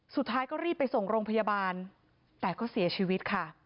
สุดท้ายก็รีบไปส่งโรงพยาบาลแต่ก็เสียชีวิตค่ะ